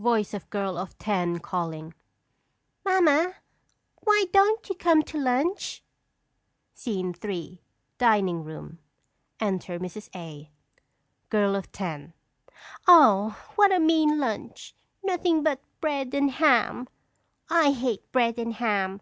_] Voice of Girl of Ten, calling: Mamma, why don't you come to lunch? SCENE III. DINING ROOM. Enter Mrs. A. Girl of Ten. Oh, what a mean lunch! Nothing but bread and ham. I hate bread and ham!